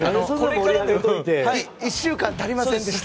１週間足りませんでした。